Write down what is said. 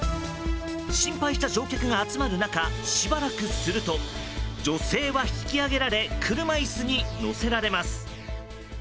心配した乗客が集まる中しばらくすると女性は引き上げられ車いすに乗せられます。